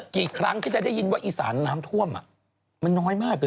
กี่ครั้งที่จะได้ยินว่าอีสานน้ำท่วมมันน้อยมากเลย